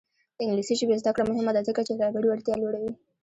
د انګلیسي ژبې زده کړه مهمه ده ځکه چې رهبري وړتیا لوړوي.